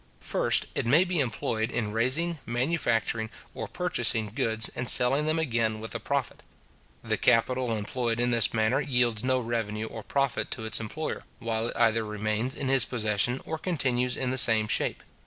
First, it may be employed in raising, manufacturing, or purchasing goods, and selling them again with a profit. The capital employed in this manner yields no revenue or profit to its employer, while it either remains in his possession, or continues in the same shape.